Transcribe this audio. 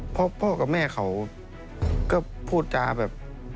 เพราะพ่อกับแม่เขาก็พูดจาแบบ